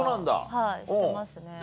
はいしてますね。